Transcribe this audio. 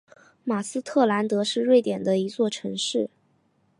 马斯特兰德是瑞典的一座城市。